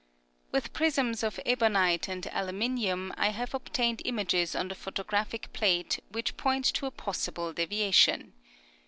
With prisms of ebonite and aluminium I have obtained images on the photographic plate which point to a possible deviation.